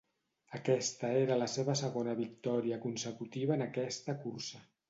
Aquesta era la seva segona victòria consecutiva en aquesta cursa.